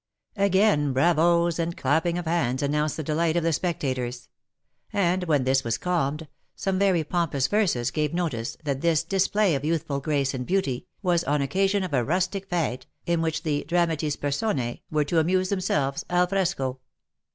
Again bravoes and clapping of hands announced the delight of the spectators ; and, when this was calmed, some very pompous verses gave notice that this dis play of youthful grace and beauty, was on occasion of a rustic fete, in which the dramatis personce were to amuse themselves al fresco.